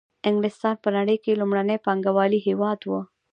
انګلستان په نړۍ کې لومړنی پانګوالي هېواد وو